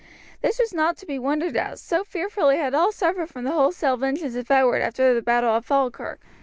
This was not to be wondered at, so fearfully had all suffered from the wholesale vengeance of Edward after the battle of Falkirk.